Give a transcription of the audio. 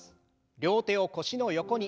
両手を腰の横に。